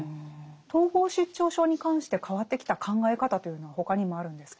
統合失調症に関して変わってきた考え方というのは他にもあるんですか？